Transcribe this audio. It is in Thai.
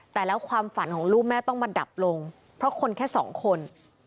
แต่แล้วความฝันของลูกแม่ต้องมาดับลงเพราะคนแค่สองคน